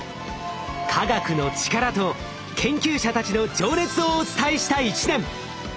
科学の力と研究者たちの情熱をお伝えした１年。